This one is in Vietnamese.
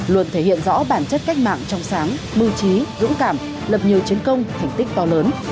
luôn thể hiện rõ bản chất cách mạng trong sáng mưu trí dũng cảm lập nhiều chiến công thành tích to lớn